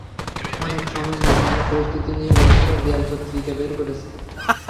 অনেক সময় নিয়ে, অনেক প্রস্তুতি নিয়ে বন্ধুরা দেয়াল পত্রিকা বের করেছে।